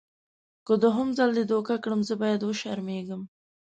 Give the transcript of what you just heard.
که دوهم ځل دې دوکه کړم زه باید وشرمېږم.